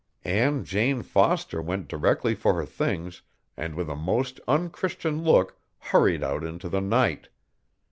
Ann Jane Foster went directly for her things, and with a most unchristian look hurried out into the night.